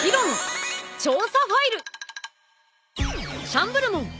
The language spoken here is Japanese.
シャンブルモン。